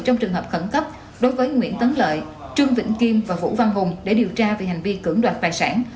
trong trường hợp khẩn cấp đối với nguyễn tấn lợi trương vĩnh kim và vũ văn hùng để điều tra về hành vi cưỡng đoạt tài sản